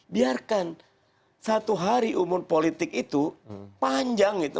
biarkan satu hari umur politik itu panjang itu